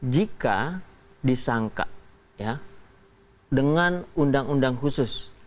jika disangka dengan undang undang khusus